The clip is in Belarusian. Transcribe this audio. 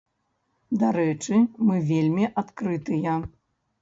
Дарэчы, мы вельмі адкрытыя.